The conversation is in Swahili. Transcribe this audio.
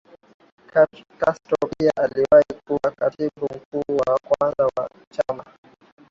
Castro pia aliwahi kuwa Katibu mkuu wa kwanza wa chama